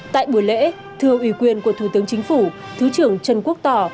tại buổi lễ thưa ủy quyền của thủ tướng chính phủ thứ trưởng trần quốc tỏ